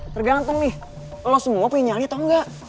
tergantung nih lo semua punya nyali atau enggak